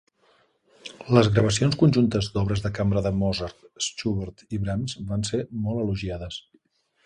Les gravacions conjuntes d'obres de cambra de Mozart, Schubert i Brahms van ser molt elogiades.